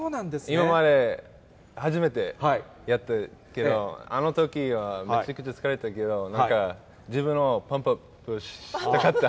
今まで初めてやったけど、あのときはめちゃくちゃ疲れたけど、なんか自分もパンプアップしたかった。